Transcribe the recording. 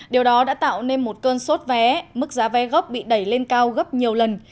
điều đó đã tạo nên một cơn sốt vé mức giá vé gốc bị đẩy lên cao gấp nhiều lần